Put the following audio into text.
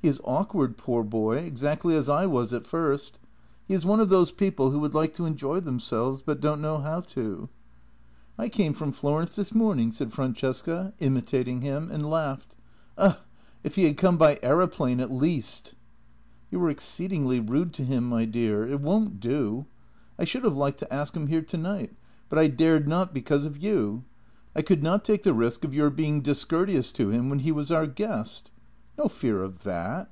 He is awkward, poor boy, exactly as I was at first. He is one of those people who would like to enjoy themselves, but don't know how to." JENNY 50 " I came from Florence this morning," said Francesca, im itating him, and laughed. "Ugh! If he had come by aero plane at least." " You were exceedingly rude to him, my dear. It won't do. I should have liked to ask him here tonight, but I dared not because of you. I could not take the risk of your being dis courteous to him when he was our guest." "No fear of that.